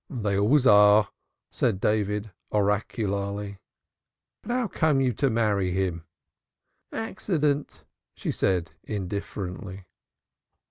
"They always are," said David oracularly. "But how came you to marry him?" "Accident," she said indifferently.